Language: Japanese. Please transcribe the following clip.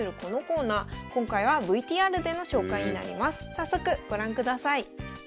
早速ご覧ください。